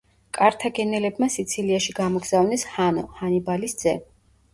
კართაგენელებმა სიცილიაში გამოგზავნეს ჰანო, ჰანიბალის ძე.